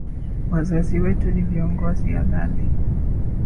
Wazazi wetu ni viongozi halali